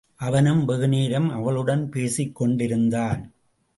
அவனும் வெகுநேரம் அவளுடன் பேசிக்கொண்டிருந்தான்.